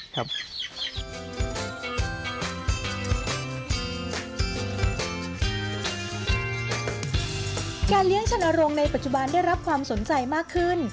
การเลี้ยงชนรงค์ในปัจจุบันได้รับความสนใจมากขึ้น